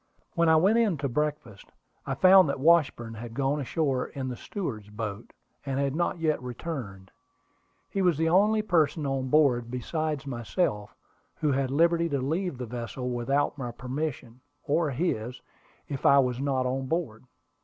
When I went in to breakfast, I found that Washburn had gone ashore in the steward's boat, and had not yet returned. He was the only person on board, besides myself, who had liberty to leave the vessel without my permission, or his, if I was not on board.